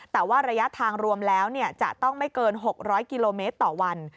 แต่ว่าระยะทางรวมแล้วจะต้องไม่เกิน๖๐๐กิโลเมตรต่อวัน